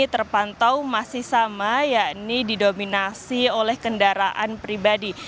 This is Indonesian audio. terpantau masih sama yakni didominasi oleh kendaraan pribadi